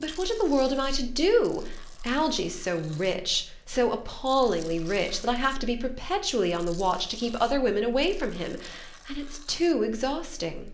But what in the world am I to do? Algie's so rich, so appallingly rich, that I have to be perpetually on the watch to keep other women away from him and it's too exhausting...."